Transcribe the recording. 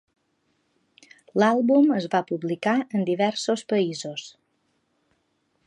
L'àlbum es va publicar en diversos països.